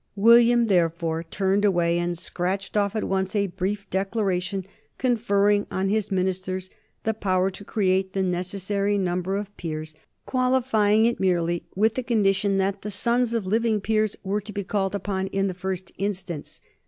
William therefore turned away and scratched off at once a brief declaration conferring on his ministers the power to create the necessary number of peers, qualifying it merely with the condition that the sons of living peers were to be called upon in the first instance.